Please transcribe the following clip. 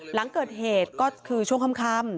หลังเกิดเหตุก็คือช่วงค่ำ